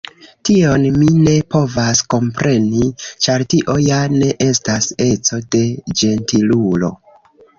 Tion mi ne povas kompreni, ĉar tio ja ne estas eco de ĝentilulo.